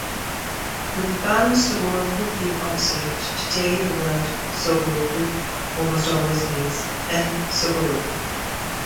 With "ban-sugoroku" being obsolete, today the word "sugoroku" almost always means "e-sugoroku".